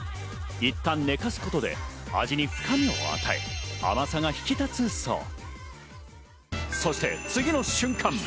いったん寝かすことで味に深みを与え、甘さが引き立つそう。